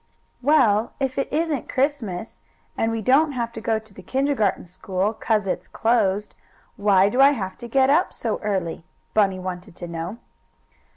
"Well, if it isn't Christmas, and we don't have to go to the kindergarten school, 'cause it's closed, why do I have to get up so early?" Bunny wanted to know.